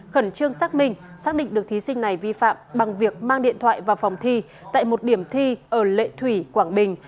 khẩn trương xác minh xác định được thí sinh này vi phạm bằng việc mang điện thoại vào phòng thi tại một điểm thi ở lệ thủy quảng bình